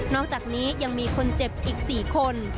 อกจากนี้ยังมีคนเจ็บอีก๔คน